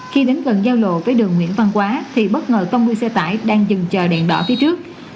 khi đến gần giao lộ với đường nguyễn văn quá thì bất ngờ tông đuôi xe tải đang dừng chờ đèn đỏ phía trước